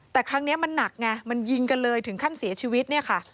แต่ครั้งนี้มันหนักไงมันยิงกันเลยถึงขั้นเสียชีวิตเนี่ยค่ะ